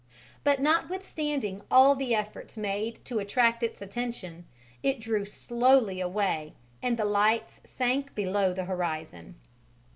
But notwithstanding all the efforts made to attract its attention, it drew slowly away and the lights sank below the horizon.